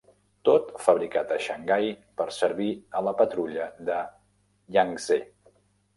Tot fabricat a Xangai per servir a la Patrulla de Yangtze.